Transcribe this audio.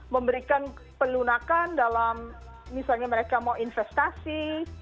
memberikan pelunakan dalam misalnya mereka mau investasi